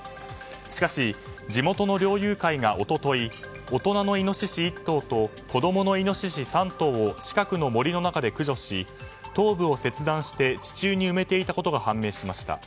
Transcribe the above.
しかし、地元の猟友会が一昨日大人のイノシシ１頭と子供のイノシシ３頭を近くの森の中で駆除し頭部を切断して地中に埋めていたことが判明しました。